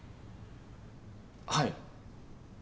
はい。